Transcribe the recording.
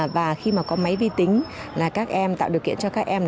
và khi có máy vi tính các em tạo điều kiện cho các em